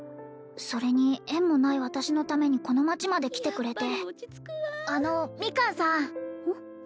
それに縁もない私のためにこの町まで来てくれてあのミカンさんうん？